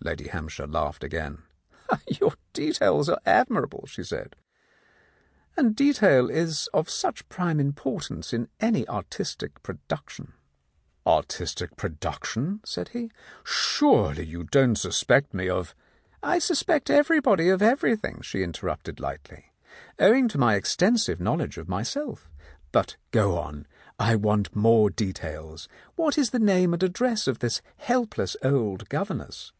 Lady Hampshire laughed again. "Your details are admirable," she said. "And detail is of such prime importance in any artistic production." "Artistic production?" said he. "Surely you don't suspect me of " "I suspect everybody of everything," she inter rupted lightly, "owing to my extensive knowledge of myself. But go on ; I want more details. What is the name and address of this helpless old governess